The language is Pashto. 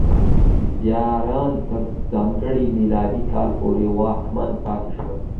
زیاریان تر ځانګړي میلادي کاله پورې واکمن پاتې شول.